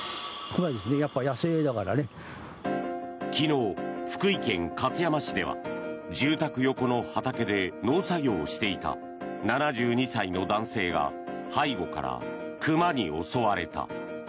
昨日、福井県勝山市では住宅横の畑で農作業をしていた７２歳の男性が背後から熊に襲われた。